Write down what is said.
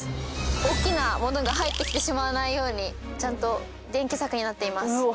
大きなものが入ってきてしまわないようにちゃんと電気柵になっています。